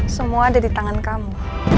semua ada di tangan kamu